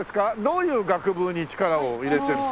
どういう学部に力を入れてる。